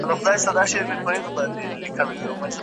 چي آشنا مي دی د پلار او د نیکونو